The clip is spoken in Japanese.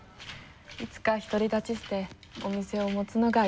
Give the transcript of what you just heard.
いつか独り立ちしてお店を持つのが夢だ。